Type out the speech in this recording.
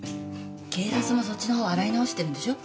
警察もそっちのほう洗い直してるんでしょ？